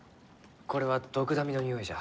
これはドクダミのにおいじゃ。